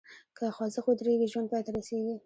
که خوځښت ودریږي، ژوند پای ته رسېږي.